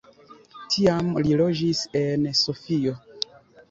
Tiam li loĝis en Sofio.